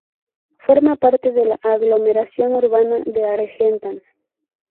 Forma parte de la aglomeración urbana de Argentan.